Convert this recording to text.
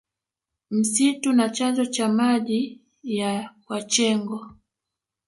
Msitu na chanzo cha maji ya kwachegho